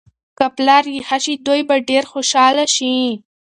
که پلار یې ښه شي، دوی به ډېر خوشحاله شي.